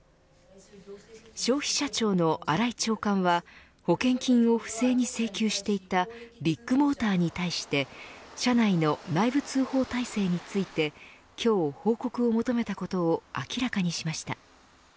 消費者庁の新井長官は保険金を不正に請求していたビッグモーターに対して社内の内部通報体制について今日報告を求めたことを明らかにしました。